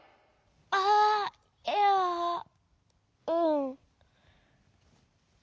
あっいやうん。